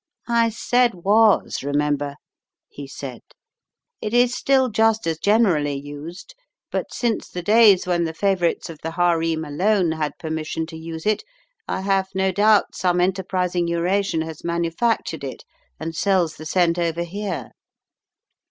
"I said 'was', remember," he said. "It is still just as generally used, but since the days when the favourites of the Harem alone had permission to use it, I have no doubt some enterprising Eurasian has manufactured it, and sells the scent over here.